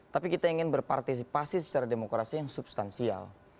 tapi kita ingin berpartisipasi secara demokrasi yang substansial